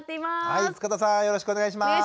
よろしくお願いします。